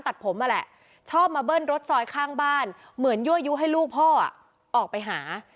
ตัดผมนั่นแหละชอบมาเบิ้ลรถซอยข้างบ้านเหมือนยั่วยุให้ลูกพ่อออกไปหา